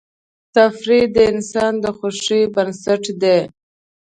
تفریح د انسان د خوښۍ بنسټ دی.